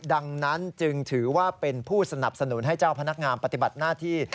ดังนั้นจึงถือว่าเป็นผู้สนับสนุนให้เจ้าพนักงานปฏิบัติหน้าที่